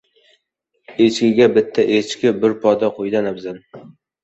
• Echkiga bitta echki bir poda qo‘ydan afzal.